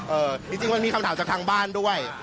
จริงมันมีคำถามจากทางบ้านด้วย